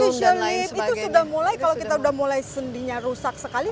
artificial limb itu sudah mulai kalau kita sudah mulai sendinya rusak sekali